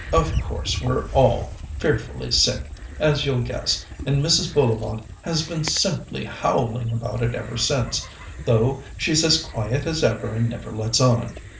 Of course, we're all fearfully sick, as you'll guess, and Mrs. Bullivant has been simply howling about it ever since, though she's as quiet as ever and never lets on.